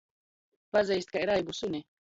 Pazeist kai raibu suni.